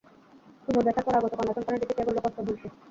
তুমুল ব্যথার পরে আগত অন্য সন্তানের দিকে চেয়ে বলল, কষ্ট ভুলছি।